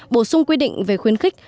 bổ sung quy định về khuyến khích